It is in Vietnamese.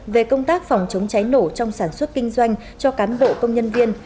về công tác phòng chống cháy nổ trong sản xuất kinh doanh cho cán bộ công nhân viên